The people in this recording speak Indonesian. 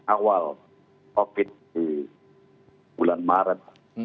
awal covid di bulan maret dua ribu dua puluh